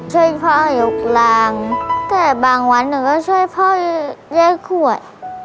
ช่วยพ่อหยุดรางแต่บางวันหนึ่งก็ช่วยพ่อเลี้ยงข่วด